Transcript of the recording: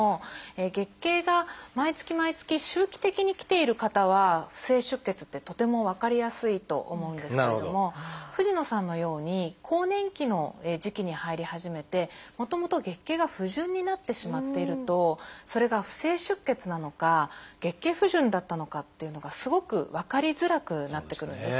月経が毎月毎月周期的に来ている方は不正出血ってとても分かりやすいと思うんですけれども藤野さんのように更年期の時期に入り始めてもともと月経が不順になってしまっているとそれが不正出血なのか月経不順だったのかっていうのがすごく分かりづらくなってくるんですね。